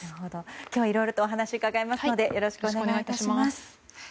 今日はいろいろとお話を伺いますのでよろしくお願い致します。